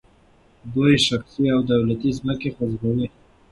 دوی شخصي او دولتي ځمکې غصبوي.